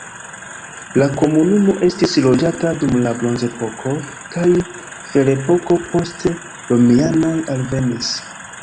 La komunumo estis loĝata dum la bronzepoko kaj ferepoko, poste romianoj alvenis.